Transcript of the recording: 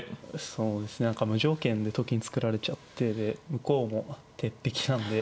そうですね何か無条件でと金作られちゃって向こうも鉄壁なんで。